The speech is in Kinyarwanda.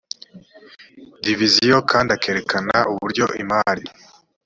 diviziyo kandi akerekana uburyo imari